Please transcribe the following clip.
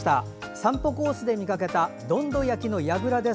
散歩コースで見かけたどんど焼きのやぐらです。